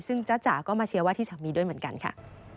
ซึ่งจ้าจ๋าก็มาเชียร์ว่าที่สามีด้วยเหมือนกันค่ะ